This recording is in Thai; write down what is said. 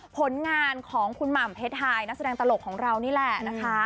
ผลงานของคุณหม่ำเพชรไฮนักแสดงตลกของเรานี่แหละนะคะ